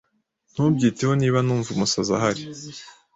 Ntubyiteho niba numva umusazi ahari